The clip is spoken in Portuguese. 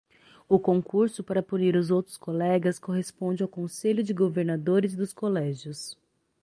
O concurso para punir os outros colegas corresponde ao Conselho de Governadores dos colégios.